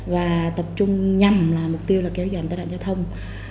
và tập trung nhằm là mục tiêu là kéo giảm tai nạn giao thông